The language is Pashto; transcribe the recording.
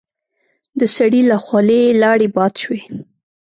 د سړي له خولې لاړې باد شوې.